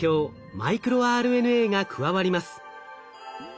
マイクロＲＮＡが加わります。